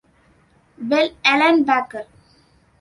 Bell, Ellen Baker.